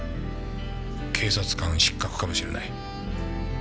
警察官失格かもしれない。